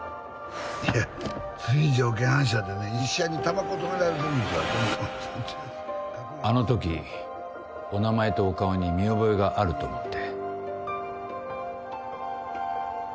いやつい条件反射でね医者にタバコ止められてるんですわあの時お名前とお顔に見覚えがあると思って。